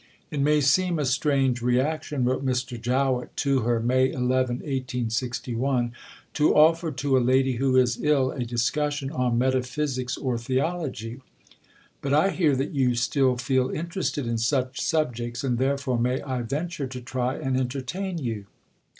"It may seem a strange recreation," wrote Mr. Jowett to her (May 11, 1861), "to offer to a lady who is ill a discussion on metaphysics or theology. But I hear that you still feel interested in such subjects, and therefore may I venture to try and entertain you?"